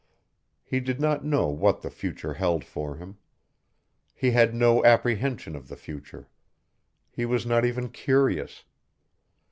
He did not know what the future held for him. He had no apprehension of the future. He was not even curious.